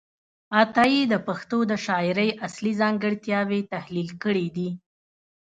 عطايي د پښتو د شاعرۍ اصلي ځانګړتیاوې تحلیل کړې دي.